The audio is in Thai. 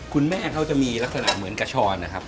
คุณแม่เขาจะมีลักษณะเหมือนกระชอนนะครับ